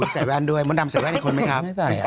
ใส่แว่นด้วยมดดำใส่แว่นอีกคนไหมครับ